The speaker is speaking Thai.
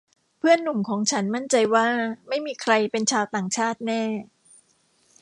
เพื่อนหนุ่มของฉันมั่นใจว่าไม่มีใครเป็นชาวต่างชาติแน่